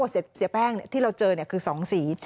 เสียแป้งที่เราเจอคือ๒สี